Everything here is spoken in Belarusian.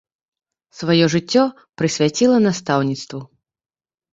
Сваё жыццё прысвяціла настаўніцтву.